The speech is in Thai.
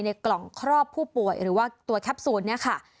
กล่องครอบผู้ป่วยหรือว่าตัวแคปซูลเนี่ยค่ะ